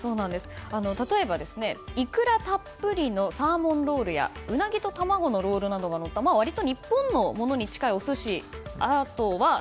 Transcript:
例えば、イクラたっぷりのサーモンロールやウナギと卵のロールなどがのった割と日本のものに近いお寿司。